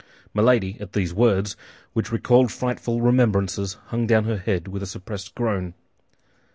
Milady at these words, which recalled frightful remembrances, hung down her head with a suppressed groan.